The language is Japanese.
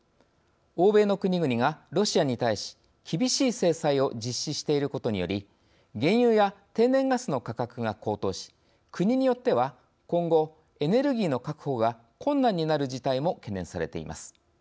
欧米の国々が、ロシアに対し厳しい制裁を実施していることにより原油や天然ガスの価格が高騰し国によっては、今後エネルギーの確保が困難になる事態も懸念されています。